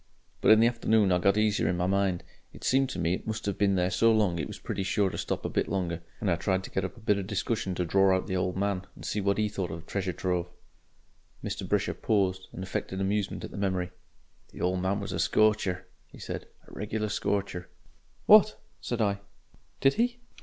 But in the afternoon I got easier in my mind it seemed to me it must 'ave been there so long it was pretty sure to stop a bit longer and I tried to get up a bit of a discussion to dror out the old man and see what 'E thought of treasure trove." Mr. Brisher paused, and affected amusement at the memory. "The old man was a scorcher," he said; "a regular scorcher." "What!" said I; "did he